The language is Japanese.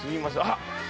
あっ！